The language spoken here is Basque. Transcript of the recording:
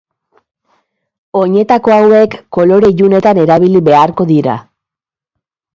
Oinetako hauek kolore ilunetan erabili beharko dira.